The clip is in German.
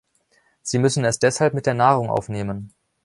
Sie müssen es deshalb mit der Nahrung aufnehmen.